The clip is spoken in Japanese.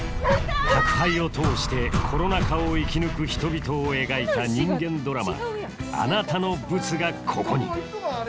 宅配を通してコロナ禍を生き抜く人々を描いた人間ドラマ「あなたのブツが、ここに」